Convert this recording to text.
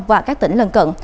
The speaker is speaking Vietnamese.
và các tỉnh lân cận